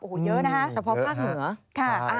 โอ้โหเยอะนะคะเฉพาะภาคเหนือค่ะ